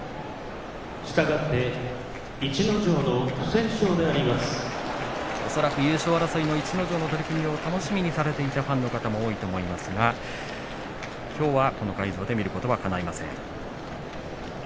したがって逸ノ城の優勝争いの逸ノ城の取組を楽しみにしていた人も多いと思いますがきょうはこの会場で見ることはかないません。